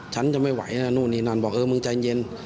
ฉันจะไม่ไหวนะนู่นนี่นั่นบอกเออมึงใจเย็น